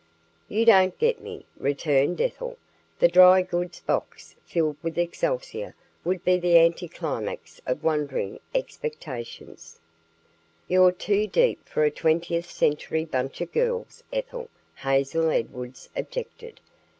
"You don't get me," returned Ethel. "The dry goods box filled with excelsior would be the anti climax of wondering expectations." "You're too deep for a twentieth century bunch of girls, Ethel," Hazel Edwards objected.